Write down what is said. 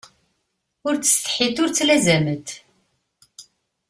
Ur ttsetḥint ur ttlazament.